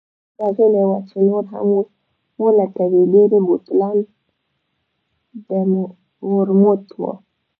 اوس راغلې وه چې نور هم ولټوي، ډېری بوتلان د ورموت وو.